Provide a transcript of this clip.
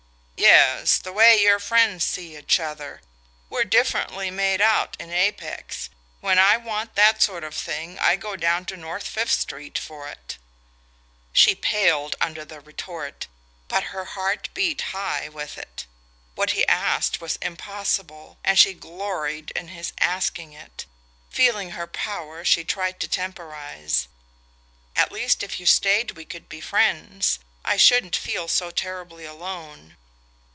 "Yes the way your friends see each other. We're differently made out in Apex. When I want that sort of thing I go down to North Fifth Street for it." She paled under the retort, but her heart beat high with it. What he asked was impossible and she gloried in his asking it. Feeling her power, she tried to temporize. "At least if you stayed we could be friends I shouldn't feel so terribly alone."